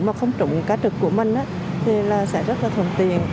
mà không trụng cá trực của mình thì sẽ rất là thông tiền